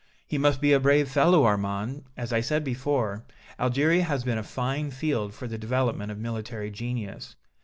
"He must be a brave fellow, Armand! As I said before, Algeria has been a fine field for the development of military genius.